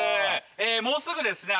もうすぐですね